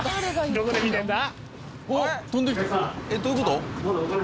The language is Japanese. どこで見てんだ？